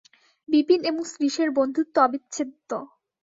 বিপিন এবং শ্রীশের বন্ধুত্ব অবিচ্ছেদ্য।